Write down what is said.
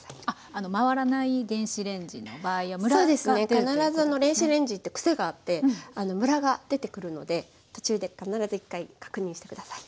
必ず電子レンジって癖があってムラが出てくるので途中で必ず１回確認して下さい。